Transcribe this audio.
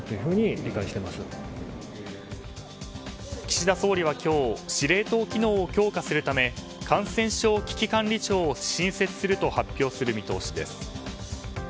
岸田総理は今日司令塔機能を強化するため感染症危機管理庁を新設すると発表する見通しです。